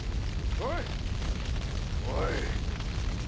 おいおい。